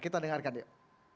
kita dengarkan yuk